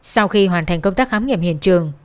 sau khi hoàn thành công tác khám nghiệm hiện trường